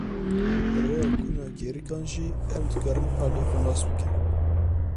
Bi rêya kuna gêrîkan jî em dikarin aliyên xwe nas bikin.